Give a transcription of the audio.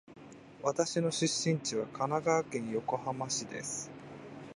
私の出身地は神奈川県横浜市です。